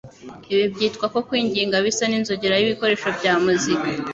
ibi byitwa ko kwinginga bisa n'inzogera y'ibikoresho bya muzika